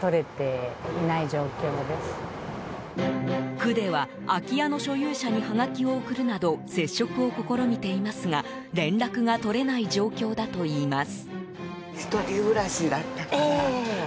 区では、空き家の所有者にはがきを送るなど接触を試みていますが連絡が取れない状況だといいます。